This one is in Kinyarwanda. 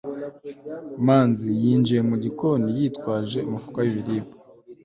manzi yinjiye mu gikoni, yitwaje umufuka w ibiribwa